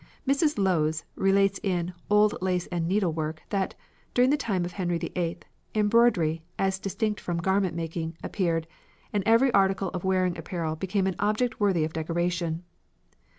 Mrs. Lowes relates in "Old Lace and Needlework" that, during the time of Henry VIII, embroidery, as distinct from garment making, appeared; and every article of wearing apparel became an object worthy of decoration.